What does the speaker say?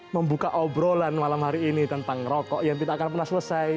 membuka obrolan malam hari ini tentang rokok yang tidak akan pernah selesai